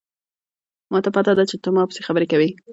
ما ته پته ده چې ته په ما پسې خبرې کوې